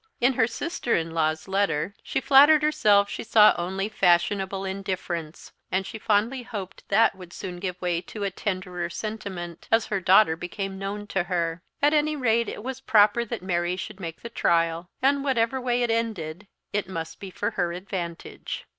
In her sister in Iaw's letter she flattered herself she saw only fashionable indifference; and she fondly hoped that would soon give way to a tenderer sentiment, as her daughter became known to her. At any rate it was proper that Mary should make the trial, and whichever way it ended, it must be for her advantage.